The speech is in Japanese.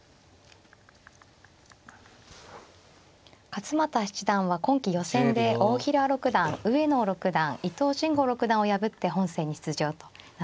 勝又七段は今期予選で大平六段上野六段伊藤真吾六段を破って本戦に出場となっています。